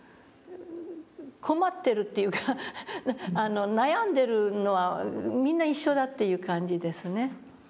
困ってるっていうか悩んでるのは皆一緒だという感じですね。